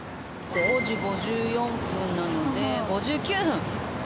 ５時５４分なので５９分。